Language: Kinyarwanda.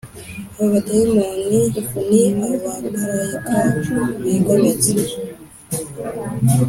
Abadayimoni ni abamarayika bigometse